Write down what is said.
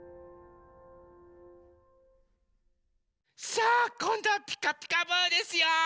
さあこんどは「ピカピカブ！」ですよ。